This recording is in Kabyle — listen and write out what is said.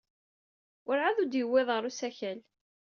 Werɛad ur d-yewwiḍ ara usakal.